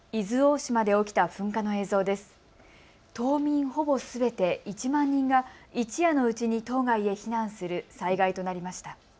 島民ほぼすべて１万人が一夜のうちに島外へ避難する災害となりました。